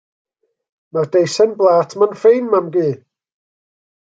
Mae'r deisen blât ma'n ffein mam-gu.